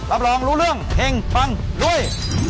รับรองรู้เรื่องเพลงฟังลุย